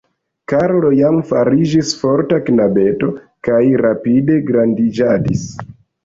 Karlo jam fariĝis forta knabeto kaj rapide grandiĝadis.